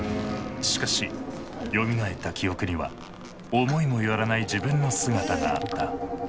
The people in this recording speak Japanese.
しかしよみがえった記憶には思いも寄らない自分の姿があった。